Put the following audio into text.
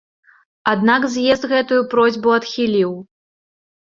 Аднак з'езд гэтую просьбу адхіліў.